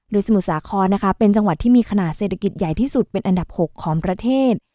โดยสมุทรสาครนะคะเป็นจังหวัดที่มีขนาดเศรษฐกิจใหญ่ที่สุดเป็นอันดับ๖ของประเทศ